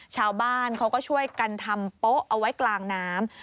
ชาวบ้านเขาก็ช่วยกันทำโป๊ะเอาไว้กลางน้ำ